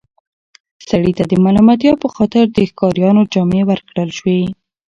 سړي ته د ملامتیا په خاطر د ښکاریانو جامې ورکړل شوې.